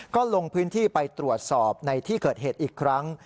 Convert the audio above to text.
ก็ลงพื้นที่ไปตรวจสอบในที่เกิดเหตุอีกครั้ง